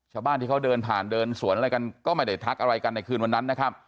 ชาวบ้านที่เขาเดินผ่านเดินสวนอะไรกันก็ไม่ได้ทักอะไรกันในคืนวันนั้นนะครับ